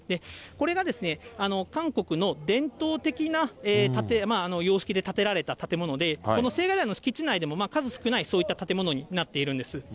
これがですね、韓国の伝統的な様式で建てられた建物で、この青瓦台の敷地内でも数少ないそういった建物になっているんです。